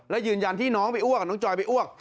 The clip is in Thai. และยืนยันที่น้องไปอ้วกกับน้องจอยไปอ้วก